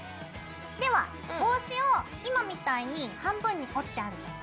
では帽子を今みたいに半分に折ってあるじゃない？